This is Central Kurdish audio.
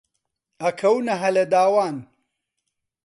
ئەکەونە هەلە داوان